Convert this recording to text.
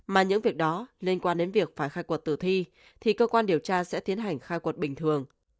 mà những việc đó liên quan đến việc phải khai quật tử thi thì cơ quan điều tra sẽ tiến hành khai quật bình thường